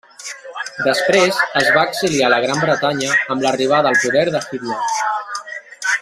Després es va exiliar a la Gran Bretanya amb l'arribada al poder de Hitler.